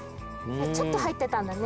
ちょっとはいってたんだね。